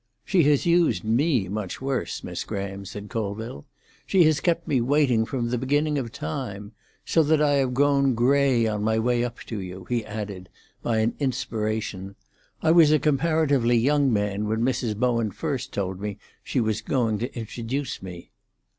"She has used me much worse, Miss Graham," said Colville. "She has kept me waiting from the beginning of time. So that I have grown grey on my way up to you," he added, by an inspiration. "I was a comparatively young man when Mrs. Bowen first told me she was going to introduce me."